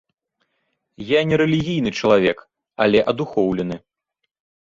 Я не рэлігійны чалавек, але адухоўлены.